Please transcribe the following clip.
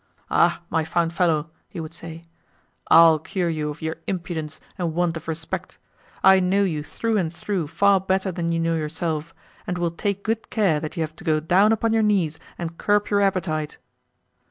"Ah, my fine fellow," he would say, "I'LL cure you of your impudence and want of respect! I know you through and through far better than you know yourself, and will take good care that you have to go down upon your knees and curb your appetite."